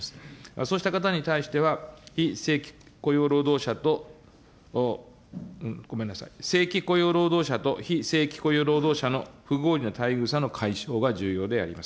そうした方に対しては、非正規雇用労働者と、ごめんなさい、正規雇用労働者と非正規雇用労働者の不合理な待遇差の解消が重要であります。